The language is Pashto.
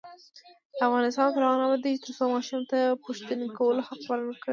افغانستان تر هغو نه ابادیږي، ترڅو ماشوم ته د پوښتنې کولو حق ورکړل نشي.